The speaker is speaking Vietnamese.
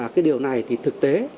cái điều này thì thực tế